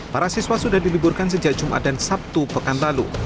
para siswa sudah diliburkan sejak jumat dan sabtu pekan lalu